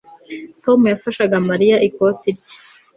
Tom yafashaga Mariya ikoti rye